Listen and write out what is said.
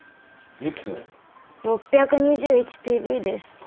６２１ＰＶです。